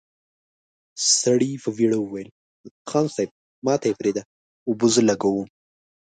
سړي په بېړه وويل: خان صيب، ماته يې پرېږده، اوبه زه لګوم!